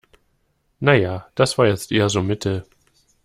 Na ja, das war jetzt eher so mittel.